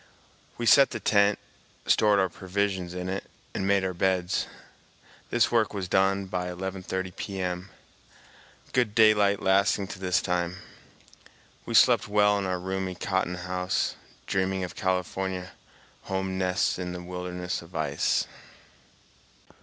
We set the tent, stored our provisions in it, and made our beds. This work was done by 11.30 P.M., good daylight lasting to this time. We slept well in our roomy cotton house, dreaming of California home nests in the wilderness of ice.